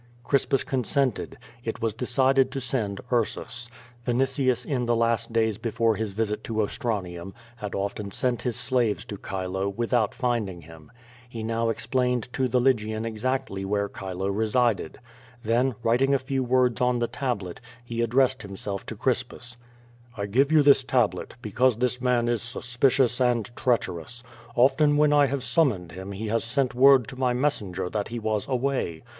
Crispus consented. It was decided to send Ursus. Vini tius in the last days before his visit to Ostranium, had often sent his slaves to Chilo, without finding him. He now ex plained to the Lygian exactly where Chilo resided. Then, writing a few words on the tablet, he addressed himself to Crispus. "1 give you this tablet, because this man is suspicious and treacherous. Often when I have summoned him he has sent word to my messenger that he was away.